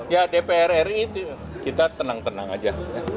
ya dpr ri kita tenang tenang aja